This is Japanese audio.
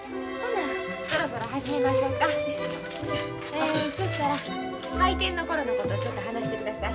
えそしたら開店の頃のことをちょっと話してください。